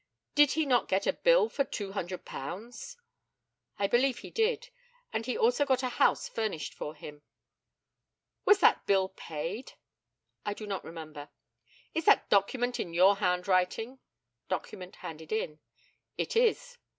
Did he not get a bill for £200? I believe he did, and he also got a house furnished for him. Was that bill paid? I do not remember. Is that document in your handwriting? [document handed in] It is.